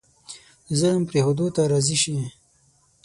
د ظلم پرېښودو ته راضي شي.